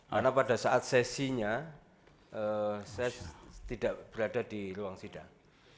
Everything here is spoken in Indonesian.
karena pada saat sesinya saya tidak berada di ruang sidang